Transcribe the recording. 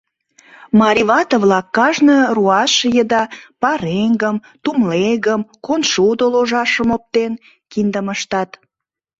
Марий вате-влак, кажне руаш еда. пареҥгым, тумлегым, коншудо ложашым оптен, киндым ыштат.